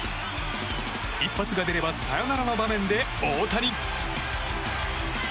一発が出ればサヨナラの場面で大谷。